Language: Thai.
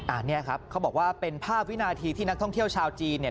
อันนี้ครับเขาบอกว่าเป็นภาพวินาทีที่นักท่องเที่ยวชาวจีนเนี่ย